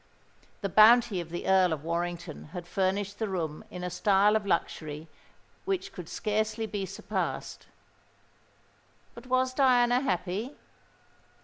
The bounty of the Earl of Warrington had furnished the room in a style of luxury which could scarcely be surpassed. But was Diana happy?